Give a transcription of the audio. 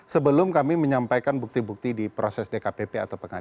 sebelum kami menyampaikan bukti bukti di proses dkpp atau pengadilan